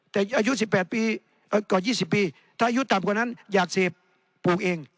แต่อายุสิบแปดปีก่อนยี่สิบปีถ้าอายุต่ำกว่านั้นอยากเสพปลูกเอง